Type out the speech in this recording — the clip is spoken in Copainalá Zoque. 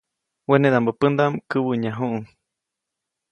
Wenedaʼmbä pändaʼm käwäʼnyajuʼuŋ.